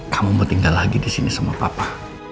kamu mau tinggal lagi disini sama papa